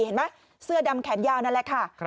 เห็นไหมเสื้อดำแขนยาวนั่นแหละค่ะ